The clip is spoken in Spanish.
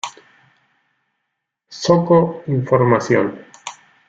Zoco información